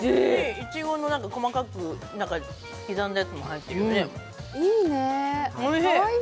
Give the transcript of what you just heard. いちごの細かく刻んだやつも入ってるよね、おいしい。